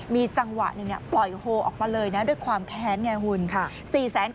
มีจังหวะหนึ่งปล่อยโฮออกมาเลยนะด้วยความแค้นไงคุณ